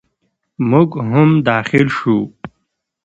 موږ هم داخل شوو.